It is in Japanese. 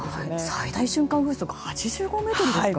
最大瞬間風速８５メートルですか。